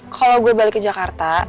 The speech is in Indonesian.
kalau gue balik ke jakarta